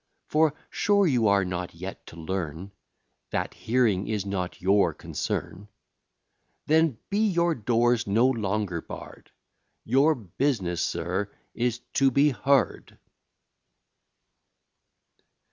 For sure you are not yet to learn, That hearing is not your concern. Then be your doors no longer barr'd: Your business, sir, is to be heard.